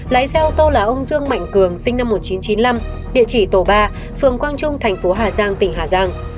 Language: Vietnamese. lái xe ô tô là ông dương mạnh cường sinh năm một nghìn chín trăm chín mươi năm địa chỉ tổ ba phường quang trung thành phố hà giang tỉnh hà giang